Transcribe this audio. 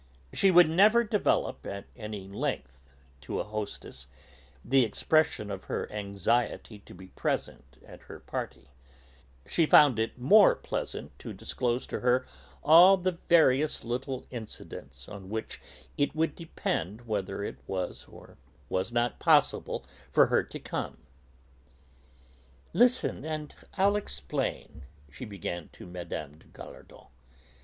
She would never develop at any length to a hostess the expression of her anxiety to be present at her party; she found it more pleasant to disclose to her all the various little incidents on which it would depend whether it was or was not possible for her to come. "Listen, and I'll explain," she began to Mme. de Gallardon.